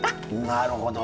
なるほど。